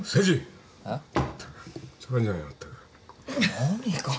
何が。